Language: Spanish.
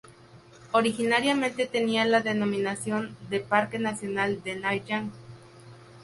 Originariamente, tenía la denominación de parque nacional de Nai Yang.